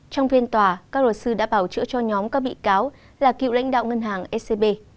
trong phiên tòa các luật sư đã bảo chữa cho nhóm các bị cáo là cựu lãnh đạo ngân hàng scb